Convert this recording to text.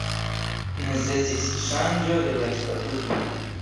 Necesis ŝanĝo de la statuto.